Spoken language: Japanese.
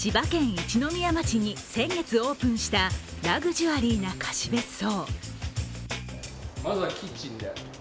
一宮町に先月オープンしたラグジュアリーな貸し別荘。